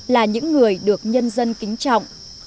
là những người được nhân dân kính trọng